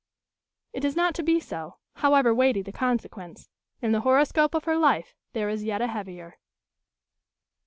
It is not to be so, however weighty the consequence. In the horoscope of her life there is yet a heavier.